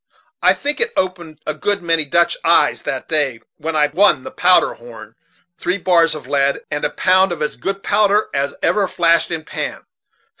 I think I opened a good many Dutch eyes that day; for I won the powder horn, three bars of lead, and a pound of as good powder as ever flashed in pan.